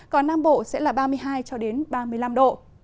còn nam bộ sẽ là ba mươi hai ba mươi năm độ